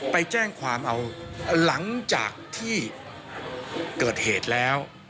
ไปแจ้งความเอาหลังจากที่เกิดเหตุแล้ว